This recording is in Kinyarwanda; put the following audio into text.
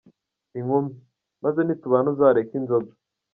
Inkumi : Maze nitubana uzareke inzoga.